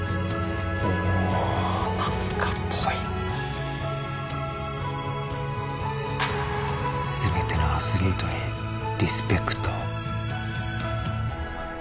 おお何かぽい「すべてのアスリートにリスペクトを」